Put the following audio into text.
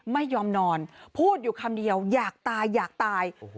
ไม่ยอมนอนพูดอยู่คำเดียวอยากตายอยากตาย